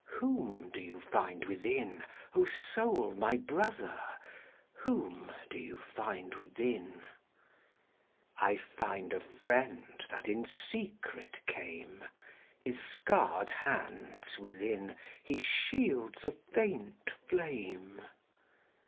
Whom do you find within, O Soul, my Brother? Whom do you find within?I find a friend that in secret came:His scarred hands withinHe shields a faint flame.